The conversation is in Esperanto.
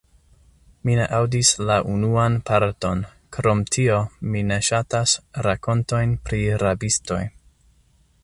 Mi ne aŭdis la unuan parton; krom tio, mi ne ŝatas rakontojn pri rabistoj.